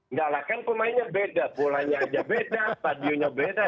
enggak lah kan pemainnya beda bolanya aja beda stadionnya beda